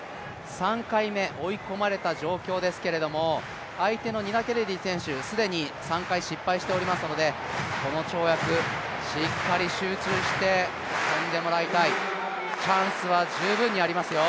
３回目、追い込まれた状況ですけれども、相手のニナ・ケネディ選手、既に３回失敗しておりますので、この跳躍しっかり集中して跳んでもらいたい、チャンスは十分にありますよ。